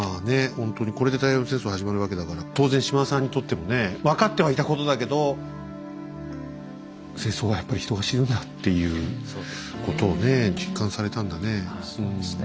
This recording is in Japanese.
ほんとにこれで太平洋戦争始まるわけだから当然島田さんにとってもね分かってはいたことだけど戦争はやっぱり人が死ぬんだっていうことをね実感されたんだね。